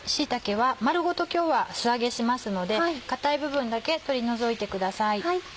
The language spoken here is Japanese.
椎茸は丸ごと今日は素揚げしますので硬い部分だけ取り除いてください。